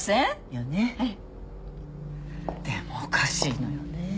でもおかしいのよねえ。